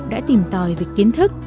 đã tìm tòi về kiến thức